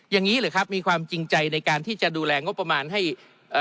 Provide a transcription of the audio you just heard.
อย่างนี้หรือครับมีความจริงใจในการที่จะดูแลงบประมาณให้เอ่อ